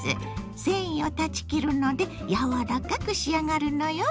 繊維を断ち切るので柔らかく仕上がるのよ。